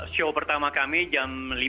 show pertama kami jam lima